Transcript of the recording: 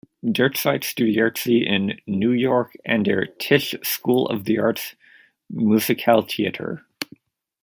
Derzeit studiert sie in New York an der "Tisch School of the Arts" Musicaltheater.